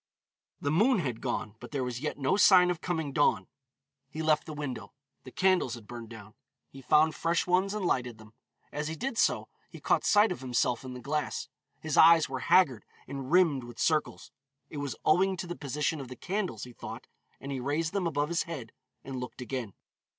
The moon had gone, but there was yet no sign of coming dawn. He left the window. The candles had burned down; he found fresh ones and lighted them. As he did so, he caught sight of himself in the glass. His eyes were haggard and rimmed with circles. It was owing to the position of the candles, he thought, and he raised them above his head and looked again.